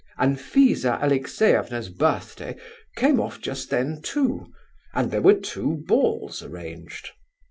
Anfisa Alexeyevna's birthday came off just then, too, and there were two balls arranged.